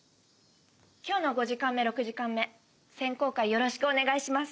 今日の５時間目６時間目選考会よろしくお願いします。